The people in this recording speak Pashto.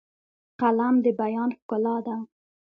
قلم د بیان ښکلا ده